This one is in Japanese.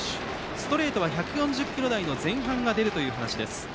ストレートは１４０キロ台の前半が出るという話です。